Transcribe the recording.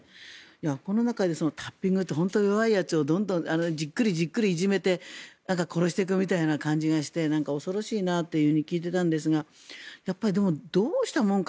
この中でタッピングって弱いやつをじっくりじっくりいじめて殺していくみたいな感じがして恐ろしいなと聞いていたんですがで